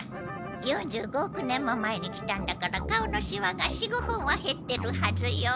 ４５億年も前に来たんだから顔のシワが４５本はへってるはずよ。